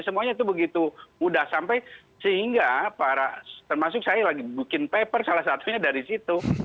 semuanya itu begitu mudah sampai sehingga para termasuk saya lagi bikin paper salah satunya dari situ